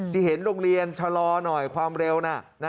ที่เห็นโรงเรียนชะลอหน่อยความเร็วน่ะ